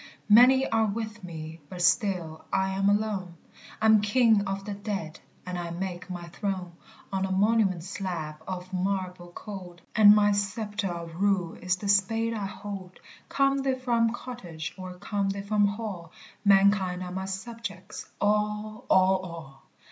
"Many are with me, but still I'm alone, I'm king of the dead and I make my throne On a monument slab of marble cold; And my sceptre of rule is the spade I hold: Come they from cottage or come they from hall, Mankind are my subjects, all, all, all!